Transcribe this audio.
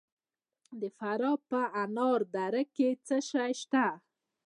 د فراه په انار دره کې څه شی شته؟